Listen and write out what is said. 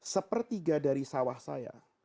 sepertiga dari sawah saya